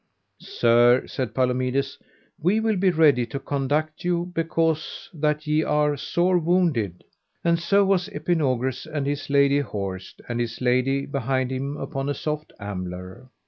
Sir, said Palomides, we will be ready to conduct you because that ye are sore wounded; and so was Epinogris and his lady horsed, and his lady behind him upon a soft ambler.